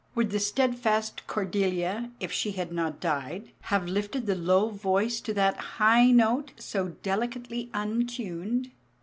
Would the steadfast Cordelia, if she had not died, have lifted the low voice to that high note, so delicately untuned?